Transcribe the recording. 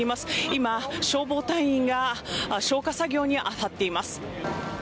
今、消防隊員が消火作業に当たっています。